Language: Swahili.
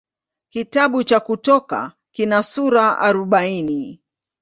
Kitabu cha Kutoka kina sura arobaini.